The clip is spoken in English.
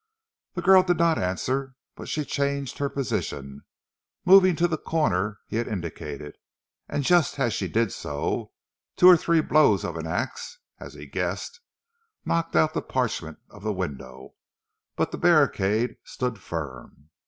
The girl did not answer, but she changed her position, moving to the corner he had indicated, and just as she did so, two or three blows of an ax (as he guessed) knocked out the parchment of the window, but the barricade stood firm.